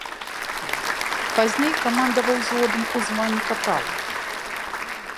Пазней камандаваў узводам у званні капрала.